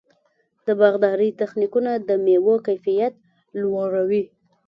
د باغدارۍ تخنیکونه د مېوو کیفیت لوړوي.